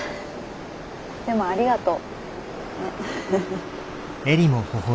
でもありがとう。